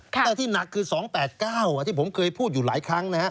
แต่ที่หนักคือ๒๘๙ที่ผมเคยพูดอยู่หลายครั้งนะฮะ